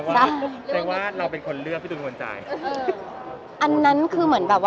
แสดงว่าเราเป็นคนเลือกพี่ตูนมนตราย